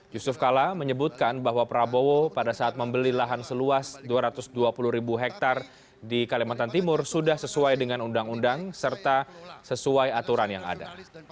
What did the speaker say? yusuf kala menyebutkan bahwa prabowo pada saat membeli lahan seluas dua ratus dua puluh ribu hektare di kalimantan timur sudah sesuai dengan undang undang serta sesuai aturan yang ada